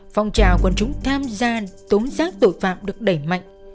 phong trào quân chúng tham gia tống giác tội phạm được đẩy mạnh